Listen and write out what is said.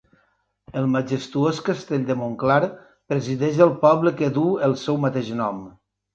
El majestuós Castell de Montclar presideix el poble que duu el seu mateix nom.